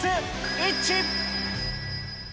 イッチ。